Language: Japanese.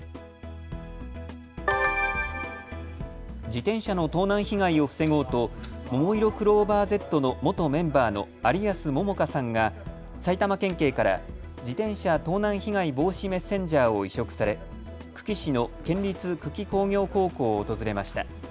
自転車の盗難被害を防ごうとももいろクローバーＺの元メンバーの有安杏果さんが埼玉県警から自転車盗難被害防止メッセンジャーを委嘱され久喜市の県立久喜工業高校を訪れました。